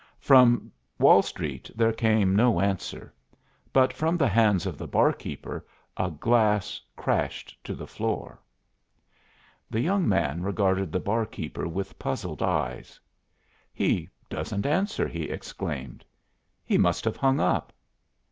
From Wall Street there came no answer, but from the hands of the barkeeper a glass crashed to the floor. The young man regarded the barkeeper with puzzled eyes. "He doesn't answer," he exclaimed. "He must have hung up."